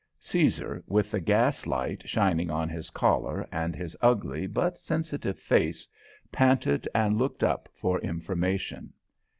Caesar, with the gas light shining on his collar and his ugly but sensitive face, panted and looked up for information.